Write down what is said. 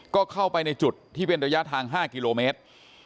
ก็เข้าไปในจุดที่เป็นระยะทาง๕กิโลเมตร